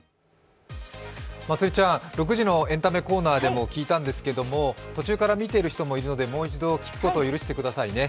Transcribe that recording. まつりちゃん、６時のエンタメコーナーでも聞きましたが途中から見ている人もいるので、もう一度聞くことを許してくださいね。